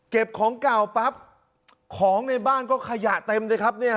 ของเก่าปั๊บของในบ้านก็ขยะเต็มเลยครับเนี่ย